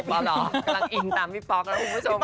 เหรอกำลังอินตามพี่ป๊อกแล้วคุณผู้ชม